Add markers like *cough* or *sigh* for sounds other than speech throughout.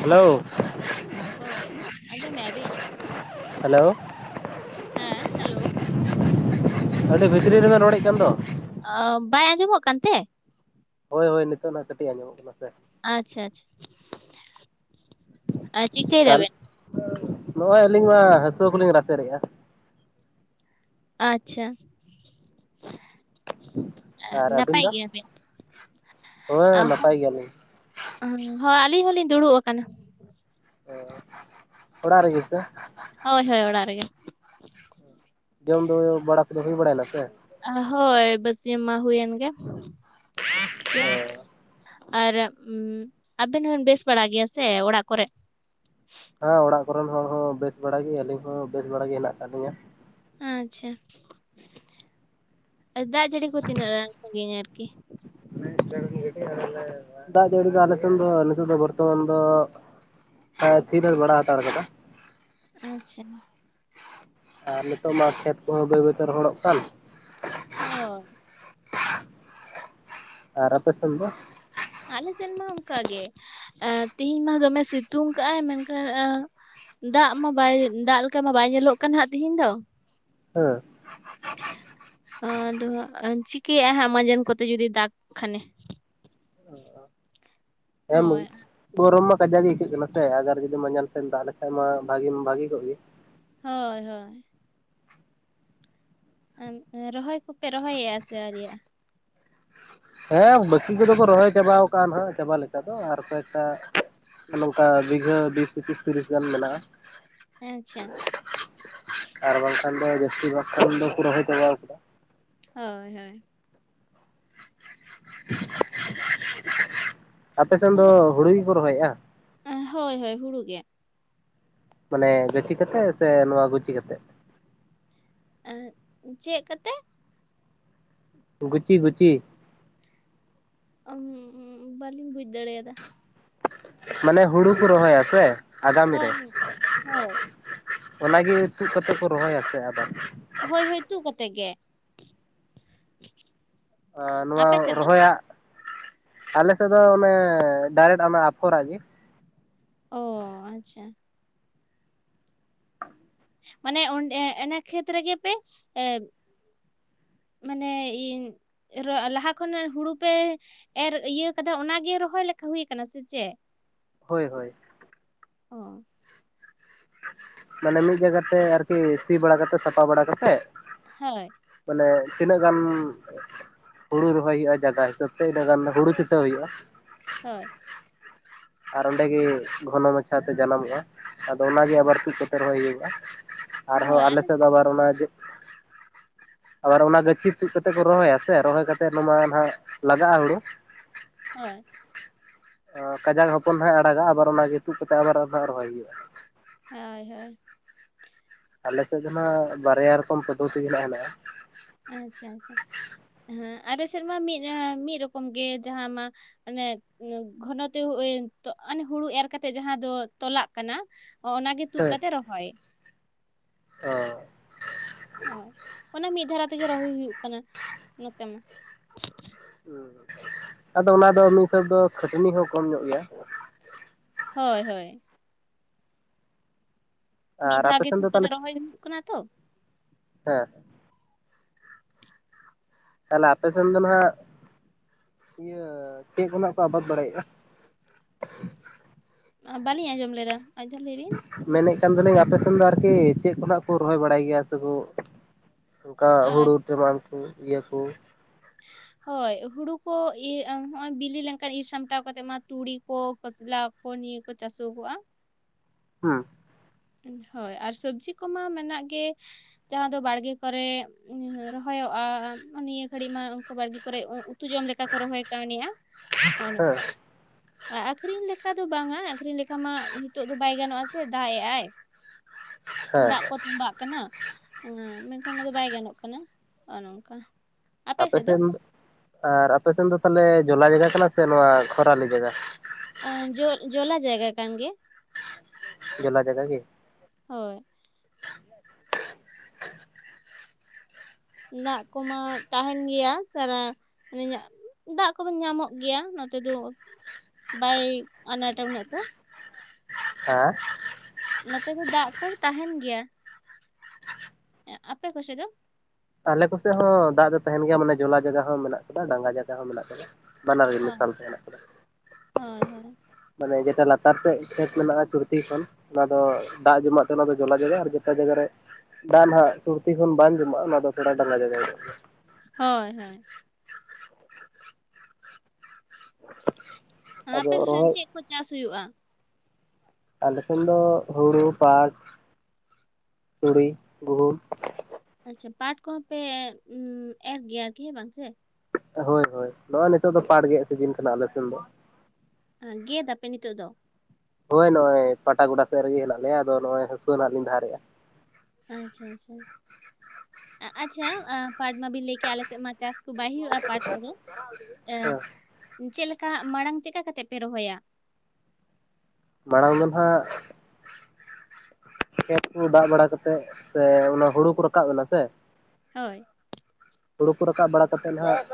Hello ᱦᱳᱭ ᱟᱸᱡᱚᱢᱮᱜᱭᱟ ᱵᱤᱱ? ᱦᱮᱞᱳ! ᱦᱮᱸ ᱦᱮᱞᱳ! ᱟᱹᱰᱤ ᱵᱷᱤᱛᱨᱤ ᱨᱮᱵᱮᱱ ᱨᱚᱲᱮᱫ ᱠᱟᱱ ᱫᱚ ᱾ ᱚ ᱵᱟᱭ ᱟᱸᱡᱚᱢᱚᱜ ᱠᱟᱱᱛᱮ? ᱦᱳᱭ ᱦᱳᱭ ᱱᱤᱛᱚᱜ ᱱᱟᱜ ᱠᱟᱹᱴᱤᱡ ᱟᱸᱡᱚᱢᱚᱜ ᱠᱟᱱᱟ ᱥᱮ ᱾ ᱟᱪᱪᱷᱟ ᱟᱪᱪᱷᱟ, ᱟᱨ ᱪᱤᱠᱟᱹᱭ ᱛᱟᱦᱚᱞᱮ ᱫᱟᱵᱮᱱ? ᱱᱚᱜᱼᱚᱭ ᱟᱹᱞᱤᱧ ᱢᱟ ᱦᱟᱹᱥᱩᱣᱟᱹ ᱠᱚᱞᱤᱧ ᱨᱟᱥᱮᱨᱮᱜ-ᱟ᱾ ᱟᱪᱪᱷᱟ᱾ ᱟᱨ ᱟᱹᱵᱤᱱ ᱱᱟᱯᱟᱭ ᱫᱚ ᱜᱮᱭᱟᱵᱮᱱ ᱦᱮᱸ *unintelligible* ᱱᱟᱯᱟᱭ ᱜᱮᱭᱟᱞᱤᱧ *unintelligible* ᱦᱚᱸ ᱟᱹᱞᱤᱧ ᱦᱚᱞᱤᱧ ᱫᱩᱲᱩᱵ ᱟᱠᱟᱱᱟ᱾ *unintelligible* ᱚᱲᱟᱜ ᱨᱮᱜᱮ ᱥᱮ? ᱦᱳᱭ ᱦᱳᱭ ᱚᱲᱟᱜ ᱨᱮᱜᱮ᱾ ᱡᱚᱢ ᱫᱚ *unintelligible* ᱵᱟᱲᱟ ᱠᱚ ᱫᱚ ᱦᱩᱭ ᱵᱟᱲᱟᱭᱱᱟ ᱥᱮ? ᱟ ᱦᱳᱭ ᱵᱟᱹᱥᱭᱟᱹᱢ ᱢᱟ ᱦᱩᱭᱮᱱ ᱜᱮ᱾ ᱟᱨ ᱟᱵᱮᱱ *unintelligible* ᱵᱮᱥ ᱵᱟᱲᱟ ᱜᱮᱭᱟ ᱥᱮ ᱚᱲᱟᱜ ᱠᱚᱨᱮ? ᱦᱮᱸ ᱚᱲᱟᱜ ᱠᱚᱨᱮᱱ ᱦᱚᱲ ᱦᱚᱸ ᱵᱮᱥ ᱵᱟᱲᱟᱜ ᱜᱮ ᱟᱹᱞᱤᱧ ᱦᱚᱸ ᱵᱮᱥ ᱵᱟᱲᱟᱜ ᱜᱮ ᱦᱮᱱᱟᱜ ᱟᱠᱟᱫ ᱞᱤᱧᱟᱹ᱾ ᱟᱪᱪᱷᱟ ᱟᱨ ᱫᱟᱜ ᱡᱟᱹᱲᱤ ᱠᱚ ᱛᱤᱱᱟᱹᱜ ᱥᱟᱺᱜᱤᱧ ᱟᱨᱠᱤ? *unintelligible* ᱫᱟᱜ ᱡᱟᱹᱲᱤ ᱫᱚ ᱟᱞᱮᱥᱮᱱ ᱫᱚ ᱱᱤᱛᱚᱜ ᱫᱚ ᱵᱚᱨᱛᱚᱢᱟᱱ ᱫᱚ ᱮ ᱛᱷᱤᱨ ᱵᱟᱲᱟ ᱦᱟᱛᱟᱲ ᱟᱠᱟᱫᱟ᱾ ᱟᱪᱪᱷᱟ᱾ ᱟᱨ ᱱᱤᱛᱚᱜ ᱢᱟ ᱠᱷᱮᱛ ᱠᱚᱦᱚᱸ ᱵᱟᱹᱭ ᱵᱟᱹᱭᱛᱮ ᱨᱚᱦᱚᱲᱚᱜ ᱠᱟᱱ᱾ ᱦᱳᱭ᱾ ᱟᱨ ᱟᱯᱮᱥᱮᱱ ᱫᱚ? ᱟᱞᱮᱥᱮᱱ ᱢᱟ ᱚᱱᱠᱟ ᱜᱮ ᱛᱤᱦᱤᱧ ᱢᱟ ᱫᱚᱢᱮ ᱥᱤᱛᱩᱝ ᱠᱟᱜ-ᱟᱭ ᱢᱮᱱᱠᱷᱟᱱ ᱮᱸ ᱫᱟᱜ ᱢᱟ ᱵᱟᱭ ᱫᱟᱜ ᱞᱮᱠᱟ ᱢᱟ ᱵᱟᱭ ᱧᱮᱞᱚᱜ ᱠᱟᱱ ᱦᱟᱸᱜ ᱛᱤᱦᱤᱧ ᱫᱚ᱾ ᱦᱮᱸ᱾ *inaudible* ᱟᱫᱚ ᱦᱟᱸᱜ ᱪᱤᱠᱟᱹᱭ-ᱟ ᱦᱟᱸᱜ ᱢᱟᱢᱟᱸᱱ ᱠᱚᱛᱮ ᱡᱩᱫᱤ ᱫᱟᱜ ᱠᱷᱟᱱᱮ? ᱦᱳᱭ *unintelligible* ᱜᱚᱨᱚᱢ ᱢᱟ ᱠᱟᱡᱟᱜ ᱜᱮ ᱟᱹᱭᱠᱟᱹᱜ ᱠᱟᱱᱟ ᱥᱮ ᱟᱜᱟᱨ ᱡᱩᱫᱤ ᱢᱟᱡᱟᱸᱱ ᱥᱮᱱ ᱫᱟᱜ ᱞᱮᱠᱷᱟᱱᱡ ᱢᱟ ᱵᱷᱟᱜᱤ ᱵᱷᱟᱜᱤ ᱠᱚᱜ ᱜᱮ᱾ ᱦᱳᱭ ᱦᱳᱭ᱾ ᱨᱚᱦᱚᱭ ᱠᱚᱯᱮ ᱨᱚᱦᱚᱭᱮᱜ-ᱟ ᱥᱮ ᱟᱹᱣᱨᱤᱭᱟᱜ-ᱟ? ᱦᱮᱸ ᱵᱟᱹᱠᱤ ᱠᱚᱫᱚ ᱠᱚ ᱨᱚᱦᱚᱭ ᱪᱟᱵᱟᱣ ᱟᱠᱟᱜ-ᱟ ᱱᱟᱦᱟᱸᱜ ᱪᱟᱵᱟ ᱞᱮᱠᱟ ᱫᱚ ᱟᱨ ᱠᱚᱭᱮᱠᱴᱟ ᱱᱚᱝᱠᱟ ᱵᱤᱜᱷᱟᱹ ᱵᱤᱥ ᱯᱚᱸᱪᱤᱥ ᱛᱤᱨᱤᱥ ᱜᱟᱱ ᱢᱮᱱᱟᱜ-ᱟ᱾ ᱟᱪᱪᱷᱟ᱾ ᱟᱨ ᱵᱟᱝᱠᱷᱟᱱ ᱫᱚ ᱡᱟᱹᱥᱛᱤ ᱵᱟᱠᱷᱚᱱ ᱫᱚᱠᱚ ᱨᱚᱦᱚᱭ ᱪᱟᱵᱟᱣ ᱠᱟᱫᱟ᱾ ᱦᱳᱭ ᱦᱳᱭ᱾ *inaudible* ᱟᱯᱮᱥᱮᱱ ᱫᱚ ᱦᱩᱲᱩ ᱜᱮᱠᱚ ᱨᱚᱦᱚᱭᱮᱜᱼᱟ? ᱮᱸ ᱦᱳᱭ ᱦᱳᱭ ᱦᱩᱲᱩ ᱜᱮ᱾ ᱢᱟᱱᱮ ᱜᱟᱹᱪᱷᱤ ᱠᱟᱛᱮᱜ ᱥᱮ ᱱᱚᱣᱟ ᱜᱩᱪᱷᱤ ᱠᱟᱛᱮᱜ? ᱮᱸ ᱦᱮᱜ ᱪᱮᱜ ᱠᱟᱛᱮᱜ? ᱜᱩᱪᱤ ᱜᱩᱪᱤ᱾ ᱵᱟᱹᱞᱤᱧ ᱵᱩᱡ ᱫᱟᱲᱮᱭᱟ-ᱫᱟ? ᱢᱟᱱᱮ ᱦᱩᱲᱩ ᱠᱚ ᱨᱚᱦᱚᱭᱟᱥᱮ ᱟᱜᱟᱢᱤ ᱦᱳᱭ ᱨᱮ᱾ ᱦᱳᱭ ᱚᱱᱟᱜᱮ ᱛᱩᱫ ᱠᱟᱛᱮᱜ ᱠᱚ ᱨᱚᱦᱚᱭᱟ ᱥᱮ ᱟᱵᱟᱨ? ᱦᱳᱭ ᱦᱳᱭ ᱛᱩᱜ ᱠᱟᱛᱮᱜ ᱜᱮ᱾ ᱟᱨ ᱱᱚᱣᱟ ᱟᱯᱮ ᱥᱮᱫ ᱫᱚ? ᱨᱚᱦᱚᱭᱟᱜ ᱟᱞᱮ ᱥᱮᱫ ᱫᱚ ᱚᱱᱮ ᱰᱟᱭᱨᱮᱴ ᱚᱱᱟ ᱟᱯᱷᱚᱨᱟᱜ ᱜᱮ᱾ ᱚ ᱟᱪᱪᱷᱟ᱾ ᱢᱟᱱᱮ ᱚᱸᱰᱮ ᱮᱱᱮ ᱠᱷᱮᱛ ᱨᱮᱜᱮ ᱯᱮ ᱮᱸ ᱢᱟᱱᱮ ᱤᱧ ᱞᱟᱦᱟ ᱠᱷᱚᱱᱟᱜ ᱦᱩᱲᱩ ᱯᱮ ᱮᱨ ᱤᱭᱟᱹ ᱠᱟᱫᱟ ᱚᱱᱟᱜᱮ ᱨᱚᱦᱚᱭ ᱞᱮᱠᱟ ᱦᱩᱭ ᱟᱠᱟᱱᱟ ᱥᱮ ᱪᱮᱜ? ᱦᱳᱭ ᱦᱳᱭ। ᱚ। ᱢᱟᱱᱮ ᱢᱤᱫ ᱡᱟᱭᱜᱟᱛᱮ ᱟᱨᱠᱤ ᱥᱤ ᱵᱟᱲᱟ ᱠᱟᱛᱮᱫ ᱥᱟᱯᱷᱟ ᱵᱟᱲᱟ ᱠᱟᱛᱮᱫ᱾ ᱦᱳᱭ᱾ ᱢᱟᱱᱮ ᱛᱤᱱᱟᱹᱜ ᱜᱟᱱ? ᱦᱩᱲᱩ ᱨᱚᱦᱚᱭ ᱦᱩᱭᱩᱜ-ᱟ ᱡᱟᱭᱜᱟ ᱦᱤᱥᱟᱹᱵ ᱛᱮ ᱤᱱᱟᱹ ᱜᱟᱱ ᱫᱚ ᱦᱩᱲᱩ ᱪᱤᱴᱟᱹᱣ ᱦᱩᱭᱩᱜ-ᱟ? ᱦᱳᱭ। ᱟᱨ ᱚᱸᱰᱮ ᱜᱮ ᱜᱷᱚᱱᱚ ᱢᱟᱪᱷᱟᱛᱮ ᱡᱟᱱᱟᱢᱚᱜ-ᱟ ᱟᱫᱚ ᱚᱱᱟᱜᱮ ᱦᱳᱭ ᱟᱵᱟᱨ ᱛᱩᱫ ᱠᱟᱛᱮᱫ ᱨᱚᱦᱚᱭ ᱦᱩᱭᱩᱜ-ᱟ ᱟᱨᱦᱚᱸ ᱟᱞᱮ ᱥᱮᱫ ᱫᱚ ᱟᱵᱟᱨ ᱚᱱᱟ ᱟᱵᱟᱨ ᱚᱱᱟ ᱜᱟᱹᱪᱷᱤ ᱛᱩᱫ ᱠᱟᱛᱮᱜ ᱠᱚ ᱨᱚᱦᱚᱭᱟ ᱥᱮ ᱨᱚᱦᱚᱭ ᱠᱟᱛᱮᱜ ᱚᱱᱟ ᱢᱟ ᱱᱟᱦᱟᱜ ᱞᱟᱜᱟᱜ-ᱟ ᱦᱩᱲᱩ᱾ ᱦᱳᱭ᱾ ᱠᱟᱡᱟᱠ ᱦᱚᱯᱚᱱ ᱦᱟᱸᱜ ᱮ ᱟᱲᱟᱜ-ᱟ, ᱟᱵᱟᱨ ᱚᱱᱟ ᱛᱩᱜ ᱠᱟᱛᱮ ᱟᱵᱟᱨ ᱟᱫᱚ ᱦᱟᱸᱜ ᱨᱚᱦᱚᱭ ᱦᱩᱭᱩᱜ-ᱟ᱾ ᱦᱳᱭ ᱦᱳᱭ᱾ ᱟᱞᱮ ᱥᱮᱫ ᱫᱚ ᱱᱟᱜ ᱵᱟᱨᱭᱟ ᱨᱚᱠᱚᱢ ᱯᱚᱫᱽᱫᱷᱚᱛᱤ ᱜᱮ ᱱᱟᱦᱟᱜ ᱦᱮᱱᱟᱜ-ᱟ᱾ ᱟᱪᱪᱷᱟ ᱟᱪᱪᱷᱟ, ᱦᱮᱸ ᱟᱨᱮ ᱥᱮᱱ ᱢᱟ ᱢᱤᱱ ᱢᱤᱱ ᱨᱚᱠᱚᱢ ᱜᱮ ᱡᱟᱦᱟᱸ ᱢᱟ ᱢᱟᱱᱮ ᱜᱷᱚᱱᱚ ᱛᱮ ᱦᱩᱭᱮᱱ ᱛᱚ ᱦᱟᱱᱮ ᱦᱩᱲᱩ ᱮᱨ ᱠᱟᱛᱮᱜ ᱡᱟᱦᱟᱸ ᱫᱚ ᱛᱚᱞᱟᱜ ᱠᱟᱱᱟ᱾ ᱚ ᱚᱱᱟᱜᱮ ᱛᱩᱫ ᱦᱮᱸ ᱠᱟᱛᱮ ᱨᱚᱦᱚᱭ᱾ ᱚ᱾ ᱦᱳᱭ, ᱚᱱᱟ ᱢᱤᱫ ᱫᱷᱟᱨᱟ ᱛᱮᱜᱮ ᱨᱚᱦᱚᱭ ᱦᱩᱭᱩᱜ ᱠᱟᱱᱟ ᱱᱚᱛᱮ ᱢᱟ᱾ ᱦᱩᱸ, ᱟᱫᱚ ᱚᱱᱟ ᱫᱚ ᱢᱤᱱ ᱦᱤᱥᱟᱹᱵ ᱫᱚ ᱠᱷᱟᱹᱴᱱᱤ ᱦᱚᱸ ᱠᱚᱢ ᱧᱚᱜ ᱜᱮᱭᱟ᱾ ᱦᱳᱭ ᱦᱳᱭ᱾ ᱢᱤᱫ ᱟᱨ ᱫᱷᱟᱣ ᱟᱯᱮ ᱜᱮ ᱥᱮᱱ ᱫᱚ ᱛᱩᱫ ᱛᱟᱦᱚᱞᱮ ᱠᱟᱛᱮᱜ ᱨᱚᱦᱚᱭ ᱦᱩᱭᱩᱜ ᱠᱟᱱᱟ ᱛᱚ᱾ ᱦᱮᱸ᱾ ᱛᱟᱦᱚᱞᱮ ᱟᱯᱮᱥᱮᱱ ᱫᱚ ᱱᱟᱜ ᱤᱭᱟᱹ ᱪᱮᱫ ᱠᱚ ᱱᱟᱜ ᱯᱮ ᱟᱵᱟᱫ ᱵᱟᱲᱟᱭᱮᱜ-ᱟ? ᱵᱟᱞᱤᱧ ᱟᱸᱡᱚᱢ ᱞᱮᱫᱟ ᱟᱨ ᱢᱤᱫᱷᱟᱣ ᱞᱟᱹᱭ ᱵᱤᱱ᱾ ᱢᱮᱱᱮᱫ ᱠᱟᱱ ᱫᱟᱞᱤᱧ ᱟᱯᱮ ᱥᱮᱱ ᱫᱚ ᱟᱨᱠᱤ ᱪᱮᱫ ᱠᱚᱱᱟᱜ ᱠᱚ ᱨᱚᱦᱚᱭ ᱵᱟᱲᱟᱭ ᱜᱮᱭᱟ ᱥᱮᱠᱚ ᱚᱱᱠᱟ ᱟᱨ ᱦᱩᱲᱩ ᱴᱮᱢᱟᱱ ᱠᱚ ᱤᱭᱟᱹᱠᱩ? ᱦᱳᱭ ᱦᱩᱲᱩ ᱠᱚ ᱤᱨ ᱦᱚᱸᱜ-ᱚᱭ ᱵᱤᱞᱤ ᱞᱮᱱᱠᱟᱱ ᱤᱨ ᱥᱟᱢᱴᱟᱣ ᱠᱟᱛᱮ ᱢᱟ ᱛᱩᱲᱤ ᱠᱚ ᱠᱟᱥᱞᱟ ᱠᱚ ᱱᱤᱭᱟᱹ ᱠᱚ ᱪᱟᱥᱚᱜᱚᱜ-ᱟ᱾ ᱦᱩᱸ᱾ ᱦᱳᱭ, ᱟᱨ ᱥᱚᱵᱽᱡᱤ ᱠᱚᱢᱟ ᱢᱮᱱᱟᱜ ᱜᱮ᱾ ᱡᱟᱦᱟᱸ ᱫᱚ ᱵᱟᱲᱜᱮ ᱠᱚᱨᱮ ᱨᱚᱦᱚᱭᱚᱜ-ᱟ, ᱱᱤᱭᱟᱹ ᱜᱷᱟᱹᱲᱤᱡ ᱢᱟ ᱵᱟᱲᱜᱮ ᱠᱚᱨᱮ ᱩᱛᱩ ᱡᱚᱢ ᱞᱮᱠᱟ ᱠᱚ ᱨᱚᱦᱚᱭ ᱠᱟᱹᱣᱱᱤᱜ-ᱟ ᱦᱚᱸᱜ-ᱚ ᱦᱮᱸ ᱱᱚᱝᱠᱟ᱾ ᱟ ᱟᱠᱷᱨᱤᱧ ᱞᱮᱠᱟ ᱫᱚ ᱵᱟᱝᱟ ᱟᱠᱷᱨᱤᱧ ᱞᱮᱠᱟ ᱢᱟ ᱱᱤᱛᱚᱜ ᱫᱚ ᱵᱟᱭ ᱜᱟᱱᱚᱜ-ᱟ ᱥᱮ ᱫᱟᱜ ᱮᱜ ᱟᱭ᱾ ᱦᱮᱸ ᱫᱟᱜ ᱠᱚ ᱛᱚᱵᱟᱜ ᱠᱟᱱᱟ, ᱢᱮᱱᱠᱷᱟᱱ ᱚᱱᱟᱫᱚ ᱵᱟᱭ ᱜᱟᱱᱚᱜ ᱠᱟᱱᱟ ᱚᱱᱮ ᱚᱝᱠᱟ᱾ ᱟᱯᱮ ᱥᱮᱱ ᱟᱨ ᱟᱯᱮ ᱥᱮᱱ ᱫᱚ ᱛᱟᱦᱚᱞᱮ ᱡᱚᱞᱟ ᱡᱟᱭᱜᱟ ᱠᱟᱱᱟ ᱥᱮ ᱱᱚᱣᱟ ᱠᱷᱚᱨᱟᱞᱤ ᱡᱟᱭᱜᱟ? ᱟ ᱡᱚ ᱡᱚᱞᱟ ᱡᱟᱭᱜᱟ ᱠᱟᱱ ᱜᱮᱭᱟ᱾ ᱡᱚᱞᱟ ᱡᱟᱭᱜᱟ ᱜᱮ? ᱦᱳᱭ। ᱫᱟᱜ ᱠᱚᱢᱟ ᱛᱟᱦᱮᱱ ᱜᱮᱭᱟ ᱥᱟᱨᱟ *unintelligible* ᱫᱟᱜ ᱠᱚᱫᱚ ᱧᱟᱢᱚᱜ ᱜᱮᱭᱟ ᱱᱚᱛᱮ ᱫᱚ ᱵᱟᱭ ᱟᱱᱟᱴᱟ ᱩᱱᱟᱹᱜ ᱫᱚ᱾ ᱦᱮᱸ? ᱱᱚᱛᱮ ᱫᱚ ᱫᱟᱜ ᱠᱚ ᱛᱟᱦᱮᱱ ᱜᱮᱭᱟ᱾ ᱮᱸ ᱟᱯᱮ ᱠᱚᱥᱮ ᱫᱚ? ᱟᱞᱮ ᱠᱚᱥᱮᱫ ᱦᱚᱸ ᱫᱟᱜ ᱫᱚ ᱛᱟᱦᱮᱱ ᱜᱮᱭᱟ ᱢᱟᱱᱮ ᱡᱚᱞᱟ ᱡᱟᱜᱟ ᱦᱚᱸ ᱢᱮᱱᱟᱜ ᱟᱠᱟᱫᱟ, ᱰᱟᱸᱜᱟ ᱡᱟᱜᱟ ᱦᱚᱸ ᱢᱮᱱᱟᱜ ᱟᱠᱟᱫᱟ᱾ ᱵᱟᱱᱟᱨ ᱜᱮ ᱦᱳᱭ ᱢᱮᱥᱟ ᱢᱤᱥᱤ ᱦᱮᱱᱟᱜ ᱟᱠᱟᱫᱟ ᱞᱮ ᱦᱳᱭ ᱦᱳᱭ ᱢᱟᱱᱮ ᱡᱮᱴᱟ ᱞᱟᱛᱟᱨ ᱥᱮᱫ ᱠᱷᱮᱛ ᱢᱮᱱᱟᱜ-ᱟ, ᱪᱩᱨᱛᱤ ᱠᱷᱚᱱ ᱚᱱᱟ ᱫᱚ ᱫᱟᱜ ᱡᱚᱢᱟᱜ ᱛᱮ ᱚᱱᱟ ᱫᱚ ᱡᱚᱞᱟ ᱡᱟᱭᱜᱟ ᱟᱨ ᱡᱮᱴᱟ ᱡᱟᱭᱜᱟ ᱨᱮ ᱫᱟᱜ ᱱᱟᱦᱟᱸᱜ ᱥᱩᱨᱛᱤ ᱠᱷᱚᱱ ᱵᱟᱝ ᱡᱚᱢᱟᱜᱼᱟ, ᱚᱱᱟ ᱫᱚ ᱛᱷᱚᱲᱟ ᱰᱟᱸᱜᱟ ᱡᱟᱭᱜᱟ ᱦᱳᱭᱳᱜ ᱦᱳᱭ ᱦᱳᱭ, ᱟᱫᱚ ᱚᱱᱟᱛᱮ ᱟᱯᱮ ᱥᱮᱫ ᱨᱚᱦᱚᱭ ᱠᱩ ᱪᱟᱥ ᱦᱩᱭᱩᱜᱼᱟ? ᱟᱞᱮ ᱥᱮᱱ ᱫᱚ ᱦᱩᱲᱩ, ᱯᱟᱴ, ᱛᱩᱲᱤ, ᱜᱩᱦᱩᱢ, ᱟᱪᱪᱷᱟ, ᱯᱟᱴ ᱠᱚ ᱦᱚᱸ ᱯᱮ ᱮᱨ ᱜᱮᱭᱟᱠᱤ ᱵᱟᱝ ᱥᱮ, ᱦᱳᱭ ᱦᱳᱭ, ᱱᱚᱜᱼᱚᱭ ᱱᱤᱛᱚᱜ ᱫᱚ ᱯᱟᱴ ᱜᱮᱫ ᱥᱤᱡᱤᱱ ᱠᱟᱱᱟ ᱟᱞᱮ ᱥᱮᱱ ᱫᱚ᱾ ᱜᱮᱫ ᱟᱯᱮ ᱱᱤᱛᱳᱜ ᱫᱚ? ᱦᱳᱭ ᱱᱚᱜᱼᱚᱭ ᱯᱟᱴᱟ ᱜᱚᱰᱟ ᱥᱮᱫ ᱨᱮᱜᱮ ᱦᱮᱱᱟᱜ ᱞᱮᱭᱟ, ᱟᱫᱚ ᱱᱚᱜᱼᱚᱭ ᱦᱟᱹᱥᱩᱣᱟᱹ ᱱᱟᱸᱜ ᱞᱤᱧ ᱫᱷᱟᱨ ᱮᱫ-ᱟ᱾ ᱟᱪᱪᱷᱟ ᱟᱪᱪᱷᱟ, ᱟᱪᱪᱷᱟ ᱯᱟᱴ ᱢᱟ ᱵᱤᱱ ᱞᱟᱹᱭ ᱠᱮᱫ-ᱟ ᱟᱞᱮ ᱥᱮᱫ ᱢᱟ ᱪᱟᱥ ᱠᱩ ᱵᱟᱭ ᱦᱩᱭᱩᱜᱼᱟ ᱯᱟᱴ ᱠᱚ ᱫᱚ, ᱮᱻ ᱦᱮᱸ ᱪᱮᱫ ᱞᱮᱠᱟ, ᱢᱟᱲᱟᱝ ᱪᱮᱠᱟ ᱠᱟᱛᱮ ᱯᱮ ᱨᱚᱦᱚᱭᱟ? ᱢᱟᱲᱟᱝ ᱫᱷᱚ ᱱᱟᱦᱟᱜ ᱠᱷᱮᱛ ᱠᱚ ᱫᱟᱜ ᱵᱟᱲᱟ ᱠᱟᱛᱮᱫ ᱥᱮ ᱚᱱᱟ ᱦᱳᱲᱳ ᱠᱚ ᱨᱟᱠᱟᱵ ᱮᱱᱟ ᱥᱮ? ᱦᱳᱭ, ᱦᱳᱲᱳ ᱠᱚ ᱨᱟᱠᱟᱵ ᱵᱟᱲᱟ ᱠᱟᱛᱮᱫ ᱱᱟᱦᱟᱸᱜ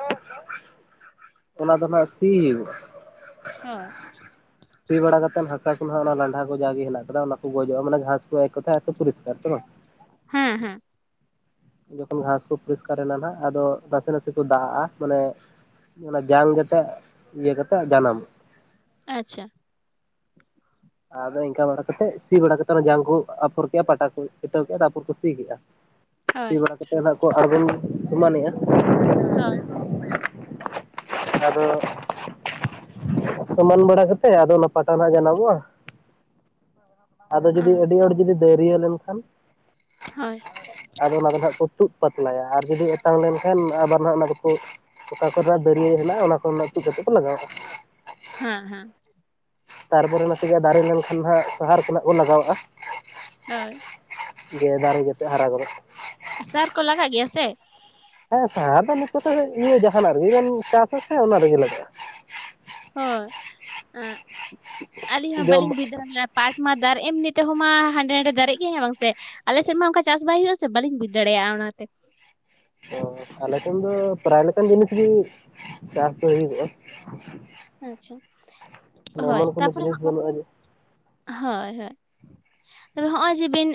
ᱚᱱᱟ ᱫᱚ ᱱᱟᱸᱜ ᱥᱤ ᱦᱩᱭᱩᱜ-ᱟ ᱾ ᱦᱳᱭ, *unintelligible* ᱥᱤ ᱵᱟᱲᱟ ᱠᱟᱛᱮ ᱦᱟᱥᱠᱟ ᱠᱚ ᱱᱟᱦᱟᱜ ᱚᱱᱟ ᱞᱟᱸᱰᱷᱟ ᱠᱚ ᱡᱟᱜᱮ ᱦᱮᱱᱟᱜ ᱟᱠᱟᱫᱟ, ᱚᱱᱟ ᱠᱚ ᱜᱚᱡᱚᱜᱼᱟ, ᱢᱟᱱᱮ ᱜᱷᱟᱥ ᱠᱚᱠ ᱠᱚᱛᱷᱟᱭ ᱟᱨᱠᱤ ᱯᱚᱨᱤᱥᱠᱟᱨ ᱥᱮ ᱵᱟᱝ? ᱦᱮᱸ ᱦᱮᱸ, ᱡᱚᱠᱷᱚᱱ ᱜᱷᱟᱸᱥ ᱠᱚ ᱯᱚᱨᱤᱥᱠᱟᱨ ᱮᱱᱟ ᱱᱟᱜ ᱟᱫᱚ ᱱᱟᱥᱮ ᱱᱟᱥᱮ ᱠᱚ ᱫᱟᱜ ᱟᱜᱼᱟ, ᱢᱟᱱᱮ, ᱚᱱᱟ ᱡᱟᱝ ᱡᱟᱛᱮ ᱤᱭᱟᱹ ᱠᱟᱛᱮᱜ ᱡᱟᱱᱟᱢᱚᱜ ᱟᱪᱪᱷᱟ, ᱟᱫᱚ ᱤᱝᱠᱟ ᱵᱟᱲᱟ ᱠᱟᱛᱮᱜ, ᱥᱤ ᱵᱟᱲᱟᱛᱮ ᱚᱱᱟ ᱡᱟᱝ ᱠᱳ ᱟᱯᱷᱚᱨ ᱠᱮᱫᱼᱟ ᱯᱟᱴᱟ ᱠᱚ ᱪᱷᱤᱴᱟᱹ ᱴᱟᱹᱣ ᱠᱮᱫᱼᱟ, ᱛᱟᱨᱯᱚᱨ ᱠᱚ ᱥᱤ ᱠᱮᱫᱟ᱾ ᱥᱤ ᱦᱳᱭ ᱵᱟᱲᱟ ᱠᱟᱛᱮᱫ ᱱᱟᱸᱜ ᱠᱚ ᱟᱲᱜᱚᱢ ᱥᱚᱢᱟᱱᱮᱜ-ᱟ᱾ ᱦᱳᱭ, *unintelligible* ᱟᱫᱚ ᱥᱚᱢᱟᱱ ᱵᱟᱲᱟ ᱠᱟᱛᱮ ᱟᱫᱚ ᱚᱱᱟ ᱯᱟᱴ ᱟᱲᱟᱜ ᱡᱟᱱᱟᱢᱚᱜᱼᱟ᱾ ᱟᱫᱚ ᱡᱩᱫᱤ ᱦᱳᱭ ᱟᱹᱰᱤᱭᱟᱹᱲ ᱡᱩᱫᱤ ᱫᱟᱹᱨᱭᱟᱹ ᱞᱮᱱ ᱠᱷᱟᱱ ᱦᱳᱭ, ᱟᱫᱚ ᱚᱱᱟ ᱫᱚ ᱦᱟᱸᱜ ᱠᱚ ᱛᱩᱫ ᱯᱟᱛᱞᱟᱭᱟ ᱟᱨ ᱡᱩᱫᱤ ᱮᱛᱟᱝ ᱞᱮᱱ ᱠᱷᱟᱱ ᱟᱵᱟᱨ ᱦᱟᱸᱜ ᱚᱱᱟ ᱫᱚ ᱠᱚ ᱚᱠᱟ ᱠᱚᱨᱮᱱᱟᱜ ᱫᱟᱹᱨᱭᱟᱹ ᱦᱮᱱᱟᱜᱼᱟ ᱚᱱᱟ ᱠᱚᱨᱮᱱᱟᱜ ᱛᱩᱫ ᱠᱟᱛᱮᱫ ᱠᱚ ᱞᱟᱜᱟᱣᱟ ᱾ ᱦᱟᱸ ᱦᱟᱸ, ᱛᱟᱨᱯᱚᱨᱮ ᱱᱟᱥᱮᱡᱟ ᱫᱟᱨᱮ ᱧᱮᱞᱠᱷᱟᱱ ᱦᱟᱜ ᱥᱟᱦᱟᱨ ᱥᱮ ᱱᱟᱜ ᱵᱚ ᱞᱟᱜᱟᱣᱟᱜᱼᱟ᱾ *unintelligible* ᱡᱮ ᱫᱟᱨᱮ ᱡᱟᱛᱮ ᱦᱟᱨᱟᱜᱚᱫᱚᱜ᱾ ᱥᱟᱨ ᱠᱚ ᱞᱟᱜᱟᱜ ᱜᱮᱭᱟ ᱥᱮ? ᱦᱮᱸ ᱥᱟᱦᱟᱨ ᱫᱚ ᱱᱤᱛ ᱠᱚᱛᱮ, ᱤᱭᱟᱹ ᱡᱟᱦᱱᱟᱜ ᱨᱮ ᱜᱮ ᱵᱮᱱ ᱪᱟᱥ ᱟᱥᱮ ᱚᱱᱟ ᱨᱮ ᱜᱮ ᱞᱟᱜᱟᱜᱼᱟ᱾ ᱦᱚᱸ, ᱟᱹᱞᱤᱧ ᱦᱚᱸ ᱡᱚᱢ ᱵᱟᱹᱞᱤᱧ ᱵᱩᱡ ᱫᱟᱲᱮ ᱟᱵᱤᱱᱟ, ᱯᱟᱴ ᱢᱟ ᱫᱟᱨ ᱮᱢᱱᱤ ᱛᱮᱦᱚᱸ ᱢᱟ ᱦᱟᱸᱰᱮ ᱱᱟᱰᱮ ᱫᱟᱨᱮᱜ ᱜᱮ ᱦᱮᱸ ᱵᱟᱝ ᱥᱮ? ᱟᱞᱮ ᱥᱮᱫ ᱢᱟ ᱚᱱᱠᱟ ᱪᱟᱥ ᱵᱟᱭ ᱦᱩᱭᱩᱜᱼᱟ ᱥᱮ ᱵᱟᱹᱞᱤᱧ ᱵᱩᱡ ᱫᱟᱲᱮᱭᱟᱜᱼᱟ ᱚᱱᱟᱛᱮ ᱾ ᱚ ᱟᱞᱮ ᱥᱮᱱ ᱫᱚ ᱯᱨᱟᱭ ᱞᱮᱠᱟᱱ ᱡᱤᱱᱤᱥ ᱜᱮ ᱪᱟᱥ ᱫᱚ ᱦᱳᱭᱳᱜᱚᱜᱼᱟ᱾ ᱟᱪᱪᱷᱟ ᱦᱳᱭ ᱛᱟᱯᱚᱨᱮ ᱡᱤᱱᱤᱥ ᱦᱟᱸᱜ ᱵᱟᱹᱱᱩᱜᱼᱟ ᱡᱮ ᱦᱳᱭ ᱦᱳᱭ ᱾ ᱛᱮ ᱦᱚᱸᱜᱼᱚᱭ ᱡᱮ ᱵᱤᱱ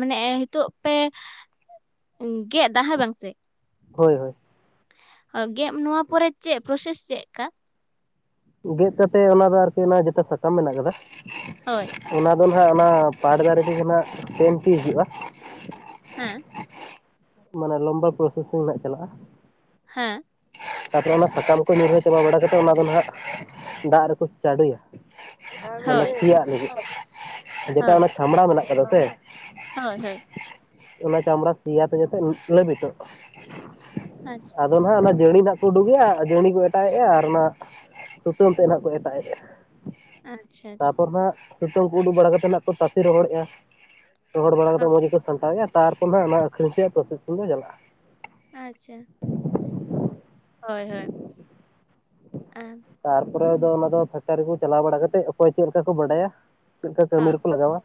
ᱢᱟᱱᱮ ᱦᱤᱛᱚᱜ ᱯᱮ ᱜᱮᱜ ᱫᱟ ᱦᱮᱸ ᱵᱟᱝᱥᱮ? ᱦᱳᱭ ᱦᱳᱭ᱾ ᱜᱮᱜ ᱱᱚᱣᱟ ᱯᱚᱨᱮ ᱪᱮᱜ ᱯᱨᱚᱥᱮᱥ ᱪᱮᱜ ᱠᱟ? ᱜᱮᱛ ᱠᱟᱛᱮᱜ ᱚᱱᱟ ᱫᱚ ᱟᱨᱠᱤ ᱚᱱᱟ ᱡᱮᱛᱮ ᱥᱟᱠᱟᱢ ᱢᱮᱱᱟᱜ ᱠᱟᱫᱟ ᱦᱳᱭ᱾ ᱚᱱᱟ ᱫᱚ ᱱᱟᱦᱟᱜ ᱚᱱᱟ ᱯᱟᱴ ᱫᱟᱨᱮ ᱛᱮᱜᱮ ᱱᱟᱜ ᱯᱮᱱ ᱴᱤ ᱦᱤᱡᱩᱜᱼᱟ᱾ ᱦᱮᱸ᱾ ᱢᱟᱱᱮ ᱞᱚᱢᱵᱟ ᱯᱨᱚᱥᱮᱥᱤᱝ ᱱᱟᱜ ᱪᱟᱞᱟᱜᱼᱟ ᱾ ᱦᱮᱸ᱾ ᱛᱟᱨᱯᱚᱨᱮ ᱚᱱᱟ ᱥᱟᱠᱟᱢ ᱠᱚ ᱧᱩᱨᱦᱟᱹ ᱪᱟᱵᱟ ᱵᱟᱲᱟᱛᱮᱫ ᱚᱱᱟ ᱫᱚ ᱱᱟᱦᱟᱜ ᱫᱟᱜ ᱨᱮᱠᱚ ᱪᱟᱰᱳᱭᱟ᱾ ᱢᱟᱱᱮ ᱦᱳᱭ ᱥᱮᱭᱟᱜ ᱞᱟᱹᱜᱤᱫ ᱡᱮᱴᱟ ᱦᱳᱭ ᱚᱱᱟ ᱪᱷᱟᱢᱲᱟ ᱢᱮᱱᱟᱜ ᱠᱟᱫᱟ ᱥᱮ? ᱦᱳᱭ ᱦᱳᱭ᱾ ᱚᱱᱟ ᱪᱟᱢᱲᱟ ᱥᱮᱭᱟᱛᱮ ᱡᱟᱛᱮ ᱞᱟᱹᱵᱤᱛᱚᱜ᱾ ᱟᱪ ᱟᱫᱚ ᱱᱟᱦᱟᱜ ᱚᱱᱟ ᱡᱟᱹᱲᱤ ᱦᱟᱜ ᱠᱚ ᱩᱰᱩᱠᱮᱜᱼᱟ ᱟᱨ ᱡᱟᱹᱲᱤ ᱠᱚ ᱮᱴᱟᱜᱮᱜᱼᱟ ᱟᱨ ᱚᱱᱟ ᱥᱩᱛᱟᱹᱢ ᱛᱮᱫ ᱱᱟᱦᱱᱟᱜ ᱠᱚ ᱮᱴᱟᱜᱮᱜᱼᱟ ᱟᱪᱪᱷᱟ ᱾ ᱟᱪᱪᱷᱟ ᱛᱟᱯᱚᱨ ᱦᱟᱸᱱᱟᱜ ᱥᱩᱛᱟᱹᱢ ᱠᱚ ᱩᱰᱩᱠ ᱵᱟᱲᱟ ᱠᱟᱛᱮ ᱟᱸᱱᱟᱜ ᱠᱚ ᱛᱟᱥᱮ ᱨᱚᱦᱚᱲᱮᱜᱼᱟ᱾ ᱨᱚᱦᱚᱲ ᱵᱟᱲᱟ ᱠᱟᱛᱮᱫ ᱦᱚᱸ ᱢᱚᱸᱡᱽ ᱜᱮᱠᱚ ᱥᱟᱢᱴᱟᱣᱮᱫᱼᱟ ᱛᱟᱨᱯᱚᱨ ᱱᱟᱦᱟᱜ ᱚᱱᱟ ᱟᱠᱷᱨᱤᱧ ᱨᱮᱭᱟᱜ ᱯᱨᱚᱥᱮᱥᱤᱝ ᱨᱮ ᱪᱟᱞᱟᱜᱼᱟ᱾ ᱟᱪᱪᱷᱟ᱾ ᱦᱳᱭ ᱦᱳᱭ᱾ ᱟᱢ ᱛᱟᱨᱯᱚᱨᱮ ᱦᱳᱭ ᱚᱱᱟ ᱫᱚ ᱯᱷᱮᱠᱴᱟᱨᱤ ᱠᱚ ᱪᱟᱞᱟᱣ ᱵᱟᱲᱟ ᱠᱟᱛᱮᱫ ᱚᱠᱚᱭ ᱪᱮᱫ ᱞᱮᱠᱟ ᱠᱚ ᱵᱟᱰᱟᱭᱟ ᱪᱮᱫ ᱞᱮᱠᱟ ᱠᱟᱹᱢᱤ ᱨᱮᱠᱚ ᱞᱟᱜᱟᱣᱟ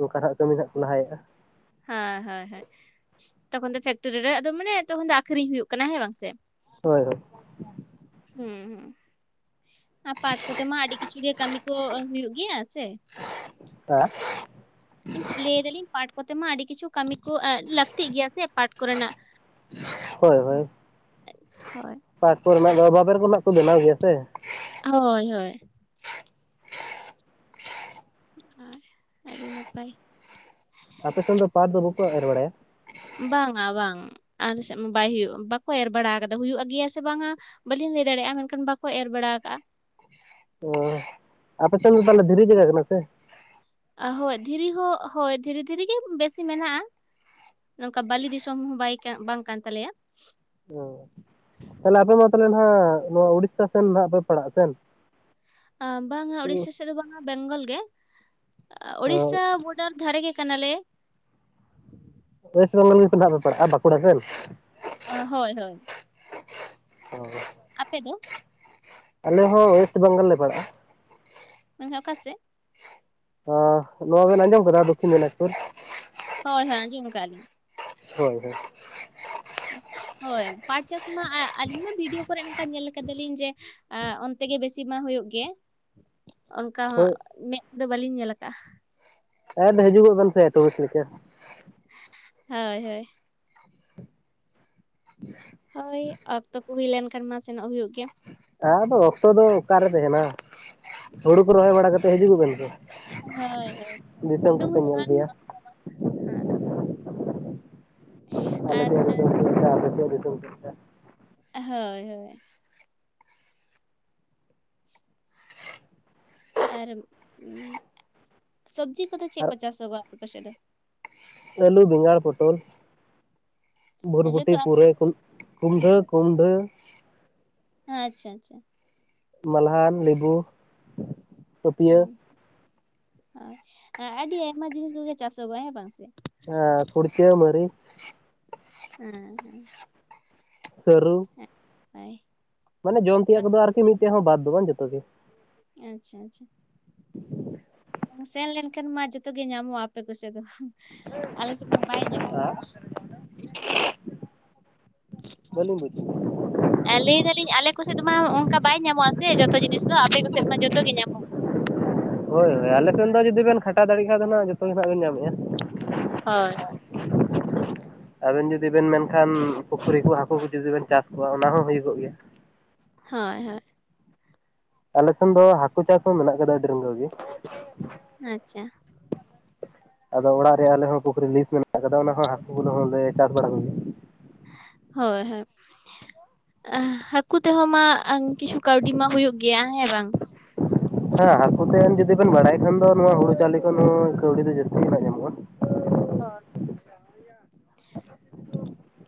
ᱚᱱᱠᱟ ᱦᱟᱜ ᱠᱟᱹᱢᱤ ᱱᱟᱦᱟᱜ ᱠᱚ ᱞᱟᱦᱟᱭᱮᱜᱼᱟ᱾ ᱦᱮᱸ ᱦᱳᱭ ᱦᱳᱭ ᱛᱚᱠᱷᱚᱱ ᱫᱚ ᱯᱷᱮᱠᱴᱚᱨᱤ ᱨᱮ ᱟᱫᱚ ᱢᱟᱱᱮ ᱛᱚᱠᱷᱚᱱ ᱫᱚ ᱟᱠᱷᱨᱤᱧ ᱦᱩᱭᱩᱜ ᱠᱟᱱᱟ ᱦᱮᱸ ᱵᱟᱝᱥᱮ? ᱦᱳᱭ ᱦᱳᱭ᱾ ᱦᱮᱸ ᱦᱮᱸ ᱟᱨ ᱯᱟᱴ ᱠᱚᱛᱮ ᱢᱟ ᱟᱹᱰᱤ ᱠᱤᱪᱷᱩ ᱜᱮ ᱠᱟᱹᱢᱤ ᱠᱚ ᱦᱩᱭᱩᱜ ᱜᱮᱭᱟ ᱥᱮ᱾ *unintelligible* ᱯᱞᱮ ᱫᱟᱹᱞᱤᱧ ᱯᱟᱴ ᱠᱚᱛᱮ ᱢᱟ ᱟᱹᱰᱤ ᱠᱤᱪᱷᱩ ᱠᱟᱹᱢᱤ ᱠᱚ ᱞᱟᱹᱠᱛᱤᱜ ᱜᱮᱭᱟ ᱥᱮ ᱯᱟᱴ ᱠᱚᱨᱮᱱᱟᱜ᱾ ᱦᱳᱭ ᱦᱳᱭ ᱦᱳᱭ ᱯᱟᱴ ᱠᱚᱨᱮᱱᱟᱜ ᱫᱚ ᱵᱟᱵᱮᱨ ᱠᱚ ᱱᱟᱦᱟᱜ ᱠᱚ ᱵᱮᱱᱟᱣ ᱜᱮᱭᱟ ᱥᱮ᱾ ᱦᱳᱭ ᱦᱳᱭ᱾ ᱦᱚᱭ ᱟᱹᱰᱤ ᱱᱟᱯᱟᱭ᱾ ᱟᱯᱮ ᱥᱮᱱ ᱫᱚ ᱯᱟᱴ ᱫᱚ ᱵᱟᱠᱚ ᱮᱨ ᱵᱟᱲᱟᱭᱟ? ᱵᱟᱝᱟ ᱵᱟᱝ ᱟᱞ ᱥᱮᱫ ᱵᱟᱭ ᱦᱩᱭᱩᱜ ᱵᱟᱠᱚ ᱮᱨ ᱵᱟᱲᱟ ᱠᱟᱫᱟ ᱦᱳᱭᱳᱜ ᱜᱮᱭᱟ ᱥᱮ ᱵᱟᱝᱼᱟ᱾ ᱵᱟᱹᱞᱤᱧ ᱞᱟᱹᱭ ᱫᱟᱲᱮᱭᱟᱜᱼᱟ ᱢᱮᱱᱠᱷᱟᱱ ᱵᱟᱠᱚ ᱮᱨ ᱵᱟᱲᱟ ᱟᱠᱟᱜᱼᱟ᱾ ᱚ ᱟᱯᱮ ᱥᱮᱱ ᱫᱚ ᱛᱟᱦᱚᱞᱮ ᱫᱷᱤᱨᱤ ᱡᱟᱭᱜᱟ ᱠᱟᱱᱟ ᱥᱮ? ᱦᱳᱭ ᱫᱷᱤᱨᱤ ᱦᱚᱸ ᱦᱳᱭ ᱫᱷᱤᱨᱤ ᱫᱷᱤᱨᱤ ᱜᱮ ᱵᱮᱥᱤ ᱢᱮᱱᱟᱜᱼᱟ᱾ ᱱᱚᱝᱠᱟ ᱵᱟᱹᱞᱤ ᱫᱤᱥᱚᱢ ᱦᱚᱸ ᱵᱟᱭ ᱵᱟᱝ ᱠᱟᱱ ᱛᱟᱞᱮᱭᱟ᱾ ᱚ ᱛᱟᱦᱚᱞᱮ ᱟᱯᱮ ᱢᱟ ᱛᱟᱦᱚᱞᱮ ᱱᱟᱦᱟᱜ ᱱᱚᱣᱟ ᱩᱲᱤᱥᱥᱟ ᱥᱮᱱ ᱱᱟᱦᱟᱜ ᱯᱮ ᱯᱟᱲᱟᱜᱼᱟ ᱥᱮᱱ? ᱟ ᱵᱟᱝᱼᱟ ᱩᱲᱤᱥᱥᱟ ᱥᱮᱫ ᱫᱚ ᱵᱟᱝᱼᱟ ᱵᱮᱝᱜᱚᱞ ᱜᱮ, ᱩᱲᱤᱥᱥᱟ ᱵᱳ ᱰᱟᱨ ᱫᱷᱟᱨᱮ ᱜᱮ ᱠᱟᱱᱟᱞᱮ᱾ ᱚᱭᱮᱥᱴ ᱵᱮᱝᱜᱚᱞ ᱜᱮᱥᱮ ᱱᱟᱦᱟᱜ ᱯᱮ ᱯᱟᱲᱟᱜᱼᱟ ᱵᱟᱠᱩᱲᱟ ᱥᱮᱱ? ᱦᱳᱭ ᱦᱳᱭ᱾ ᱦᱳᱸ᱾ ᱟᱯᱮ ᱫᱚ? ᱟᱞᱮ ᱦᱚᱸ ᱚᱭᱮᱥᱴ ᱵᱮᱝᱜᱚᱞ ᱞᱮ ᱯᱟᱲᱟᱜᱼᱟ᱾ ᱢᱮᱱᱠᱷᱟᱡ ᱚᱠᱟᱥᱮᱫ? ᱱᱚᱣᱟ ᱵᱮᱱ ᱟᱸᱡᱚᱢ ᱟᱠᱟᱫᱟ ᱫᱚᱠᱠᱷᱤᱱ ᱫᱤᱱᱟᱡᱽᱯᱩᱨ᱾ ᱦᱳᱭ ᱦᱳᱭ ᱟᱸᱡᱚᱢ ᱟᱠᱜᱼᱟ ᱞᱤᱧ᱾ ᱦᱳᱭ ᱾ ᱦᱳᱭ ᱯᱟᱴ ᱪᱟᱥ ᱢᱟ ᱟᱹᱞᱤᱧ ᱢᱟ ᱵᱷᱤᱰᱤᱭᱳ ᱠᱚᱨᱮ ᱚᱱᱠᱟ ᱧᱮᱞ ᱠᱟᱫᱟᱞᱤᱧ ᱡᱮ ᱮ ᱚᱱᱛᱮ ᱜᱮ ᱵᱮᱥᱤ ᱢᱟ ᱦᱩᱭᱩᱜ ᱜᱮ᱾ ᱚᱱᱠᱟ ᱦᱚᱸ ᱦᱳᱭ ᱢᱮᱫ ᱫᱚ ᱵᱟᱹᱞᱤᱧ ᱧᱮᱞ ᱟᱠᱟᱜᱼᱟ᱾ ᱮᱫ ᱦᱤᱡᱩᱜᱚᱜ ᱵᱤᱱ ᱛᱮ ᱥᱮᱪᱮᱫ ᱦᱳᱭ ᱦᱳᱭ᱾ *inaudible* ᱦᱳᱭ ᱚᱠᱛᱚ ᱠᱚ ᱦᱩᱭ ᱞᱮᱱᱠᱷᱟᱱ ᱢᱟ ᱥᱮᱱᱚᱜ ᱦᱩᱭᱩᱜ ᱜᱮᱭᱟ᱾ ᱟ ᱟᱫᱚ ᱚᱠᱛᱚ ᱫᱚ ᱚᱠᱟᱨᱮ ᱛᱟᱦᱮᱱᱟ ᱦᱩᱲᱩ ᱠᱚ ᱨᱚᱦᱚᱭ ᱵᱟᱲᱟ ᱠᱟᱛᱮᱫ ᱦᱤᱡᱩᱜᱚᱜ ᱵᱮᱱ ᱛᱚ᱾ ᱦᱳᱭ ᱦᱳᱭ ᱩᱰᱩᱝ ᱦᱩᱭᱩᱜᱼᱟ ᱧᱮᱞ ᱤᱫᱤᱭᱟ *unintelligible* ᱦᱮᱸ᱾ ᱟᱞᱮ ᱟᱨ ᱥᱮᱭᱟᱜ *unintelligible* ᱫᱤᱥᱚᱢ *unintelligible* ᱦᱳᱭ ᱦᱳᱭ᱾ ᱟᱨ ᱥᱚᱵᱡᱤ ᱠᱚᱫᱚ ᱪᱮᱫ ᱠᱚ ᱪᱟᱥ ᱡᱚᱜᱚᱜᱼᱟ ᱟᱯᱮ ᱥᱮᱡ ᱫᱚ? ᱟᱞᱩ, ᱵᱮᱸᱜᱟᱲ, ᱯᱚᱴᱚᱞ, ᱵᱷᱩᱨᱵᱩᱴᱤ, ᱡᱚᱛᱚ ᱟᱯᱮ? ᱯᱩᱨᱟᱹᱭ ᱩᱢᱫᱟᱹ ᱠᱩᱱᱰᱟᱹ᱾ ᱦᱮᱸ ᱟᱪᱪᱷᱟ ᱟᱪᱪᱷᱟ᱾ ᱢᱟᱞᱦᱟᱱ, ᱞᱮᱵᱩ᱾ ᱯᱟᱹᱯᱤᱭᱟᱹ ᱦᱮᱸ ᱦᱳᱭ ᱟᱹᱰᱤ ᱟᱭᱢᱟ ᱡᱤᱱᱤᱥ ᱠᱚᱜᱮ ᱪᱟᱥᱚᱜᱚᱜᱼᱟ ᱦᱮᱸ ᱵᱟᱝ ᱥᱮ᱾ ᱦᱮᱸ ᱠᱩᱲᱪᱟᱹ ᱢᱟᱨᱤᱡ ᱦᱮᱸ ᱦᱩᱸ᱾ ᱥᱟᱹᱨᱩ, ᱦᱮᱸ ᱦᱳᱭ ᱢᱟᱱᱮ ᱡᱚᱢ ᱛᱮᱭᱟᱜ ᱠᱚᱫᱚ ᱟᱨᱠᱤ ᱢᱤᱫᱴᱮᱡ ᱦᱚᱸ ᱵᱟᱫ ᱫᱚ ᱵᱟᱝ ᱡᱚᱛᱚ ᱜᱮ᱾ ᱟᱪᱪᱷᱟ ᱟᱪᱪᱷᱟ᱾ ᱥᱮᱱ ᱞᱮᱱᱠᱷᱟᱱ ᱢᱟ ᱡᱚᱛᱚᱜᱮ ᱧᱟᱢᱚᱜᱼᱟ ᱟᱯᱮ ᱠᱚᱥᱮᱫ ᱫᱚ ᱟᱞᱮ ᱥᱮᱫ ᱢᱟ ᱵᱟᱭ ᱧᱟᱢᱚᱜᱼᱟ᱾ ᱵᱟᱞᱤᱧ ᱵᱩᱡ ᱢᱮᱱ ᱮᱞᱤᱧ ᱟᱞᱮ ᱥᱮᱫ ᱫᱚ ᱢᱟ ᱚᱱᱠᱟ ᱵᱟᱭ ᱧᱟᱢᱚᱜᱼᱟ, ᱥᱮ ᱡᱚᱛᱚ ᱡᱤᱱᱤᱥ ᱫᱚ ᱟᱯᱮ ᱠᱚ ᱥᱮᱫ ᱢᱟ ᱡᱚᱛᱚ ᱜᱮ ᱧᱟᱢᱚᱜ᱾ ᱦᱳᱭ ᱟᱞᱮ ᱥᱮᱱ ᱫᱚ ᱡᱩᱫᱤ ᱵᱮᱱ ᱠᱷᱟᱴᱟᱣ ᱫᱟᱲᱮᱭᱟᱜ ᱠᱷᱟᱱ ᱫᱚ ᱦᱟᱸᱜ ᱡᱚᱛᱚ ᱜᱮ ᱟᱸᱱᱟᱜ ᱵᱮᱱ ᱧᱟᱢᱮᱫᱼᱟ᱾ ᱦᱳᱭ ᱦᱳᱭ᱾ *inaudible* ᱟᱵᱮᱱ ᱡᱩᱫᱤ ᱵᱮᱱ ᱢᱮᱱᱠᱷᱟᱱ ᱯᱩᱠᱷᱨᱤ ᱠᱚ ᱦᱟᱹᱠᱩ ᱠᱚ ᱡᱩᱫᱤ ᱵᱮᱱ ᱪᱟᱥ ᱠᱚᱣᱟ ᱚᱱᱟ ᱦᱚᱸ ᱦᱩᱭᱩᱜᱚᱜ ᱜᱮᱭᱟ᱾ ᱦᱳᱭ ᱦᱳᱭ᱾ ᱟᱞᱮ ᱥᱮᱱ ᱫᱚ ᱦᱟᱹᱠᱩ ᱪᱟᱥ ᱦᱚᱸ ᱢᱮᱱᱟᱜ ᱠᱟᱫᱟ ᱟᱹᱰᱤ ᱨᱟᱜᱤ ᱜᱮ᱾ ᱟᱪᱪᱷᱟ᱾ *inaudible* ᱟᱫᱚ ᱚᱲᱟᱜ ᱨᱮ ᱟᱞᱮ ᱦᱚᱸ ᱯᱩᱠᱷᱨᱤ ᱞᱤᱥ ᱢᱮᱱᱟᱜ ᱟᱠᱟᱫᱟ ᱚᱱᱟ ᱦᱚᱸ ᱦᱟᱹᱠᱩ ᱜᱚᱜᱮ ᱦᱚᱸᱞᱮ ᱪᱟᱥ ᱵᱟᱲᱟ ᱠᱚᱜᱮᱭᱟ᱾ ᱦᱳᱭ ᱦᱳᱭ ᱦᱟᱹᱠᱩ ᱛᱮᱦᱚᱸ ᱢᱟ ᱠᱤᱪᱷᱩ ᱠᱟᱹᱣᱰᱤ ᱢᱟ ᱦᱩᱭᱩᱜ ᱜᱮᱭᱟ ᱦᱮᱸ ᱵᱟᱝ? ᱦᱮᱸ ᱦᱟᱹᱠᱩ ᱛᱮ ᱡᱩᱫᱤ ᱵᱮᱱ ᱵᱟᱲᱟᱭ ᱠᱷᱟᱱ ᱫᱚ ᱱᱚᱣᱟ ᱦᱩᱲᱩ ᱠᱚ ᱠᱟᱹᱣᱰᱤ ᱠᱷᱚᱱ ᱫᱚ ᱡᱟᱹᱥᱛᱤ ᱜᱮ ᱧᱟᱢᱚᱜᱼᱟ᱾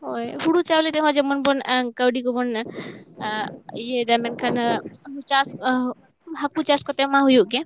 ᱦᱳᱭ ᱦᱩᱲᱩ ᱪᱟᱣᱞᱮ ᱨᱮᱦᱚᱸ ᱡᱮᱢᱚᱱ ᱵᱮᱱ ᱮ ᱠᱟᱹᱣᱰᱤ ᱠᱚ ᱵᱚᱱ ᱮ ᱟᱜ ᱤᱭᱟᱹᱭᱫᱟᱭ ᱢᱮᱱᱠᱷᱟᱱ ᱪᱟᱥ ᱦᱟᱹᱠᱩ ᱪᱟᱥ ᱠᱚᱛᱮ ᱢᱟ ᱦᱩᱭᱩᱜ ᱜᱮ,